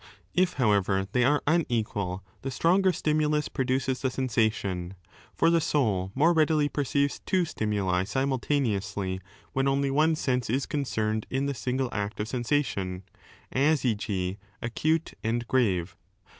If, however, they are unequal, the stronger stimulus produces the sensation ; for the soul more readily perceives two stimuli simul taneously when only one sense is concerned in the single act of sensation, as e.g, acute and grave.